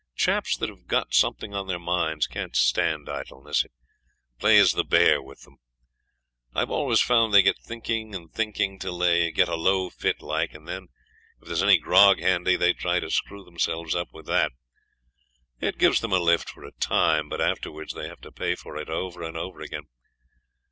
Chaps that have got something on their minds can't stand idleness, it plays the bear with them. I've always found they get thinking and thinking till they get a low fit like, and then if there's any grog handy they try to screw themselves up with that. It gives them a lift for a time, but afterwards they have to pay for it over and over again.